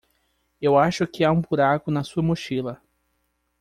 Eu acho que há um buraco na sua mochila.